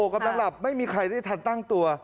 กำลังหลับไม่มีใครได้ทันตั้งตัว